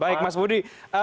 baik mas budi